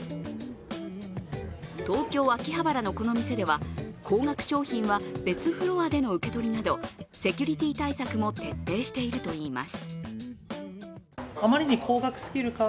東京・秋葉原のこの店では高額商品は別フロアでの受け取りなどセキュリティー対策も徹底しているといいます。